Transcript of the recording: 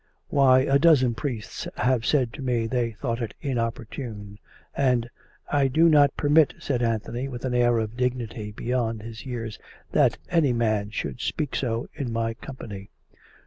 Why, a dozen priests have said to me they thought it in opportune; and "" I do not permit," said Anthony with an air of dignity beyond his years, " that any man should speak so in my company."